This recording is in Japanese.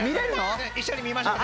一緒に見ましょう。